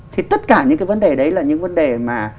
thì tất cả những cái vấn đề đấy là những vấn đề mà